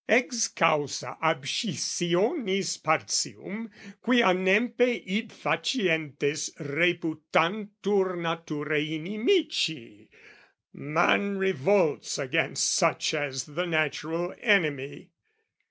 Ex causa abscissionis partium; Quia nempe id facientes reputantur NaturAe inimici, man revolts Against such as the natural enemy.